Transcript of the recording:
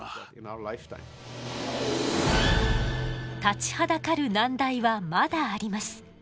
立ちはだかる難題はまだあります。